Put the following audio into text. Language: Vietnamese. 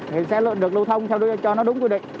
thì sẽ được lưu thông cho nó đúng quy định